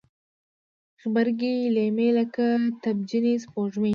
غبرګي لیمې لکه تبجنې سپوږمۍ